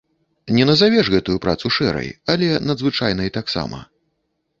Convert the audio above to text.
Не назавеш гэтую працу шэрай, але надзвычайнай таксама.